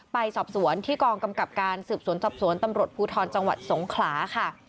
ไปสอบสวนที่กองกำกับการสืบสวนสอบสวนตำรวจภูทรจังหวัดสงขลาค่ะ